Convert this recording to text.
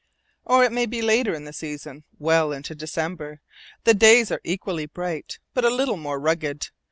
Or it may be later in the season, well into December. The days are equally bright, but a little more rugged.